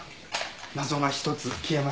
謎が一つ消えました。